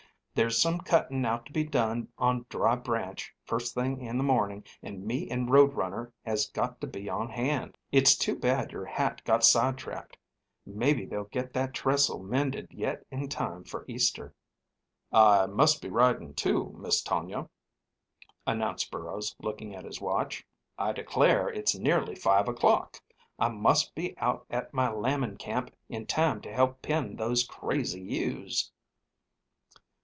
There's some cutting out to be done on Dry Branch first thing in the morning; and me and Road Runner has got to be on hand. It's too bad your hat got sidetracked. Maybe they'll get that trestle mended yet in time for Easter." "I must be riding, too, Miss Tonia," announced Burrows, looking at his watch. "I declare, it's nearly five o'clock! I must be out at my lambing camp in time to help pen those crazy ewes."